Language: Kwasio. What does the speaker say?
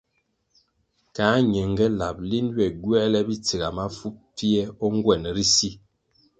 Ka ñenge lab linʼ ywe gywēle bitsiga mafu pfie o ngwenʼ ri si,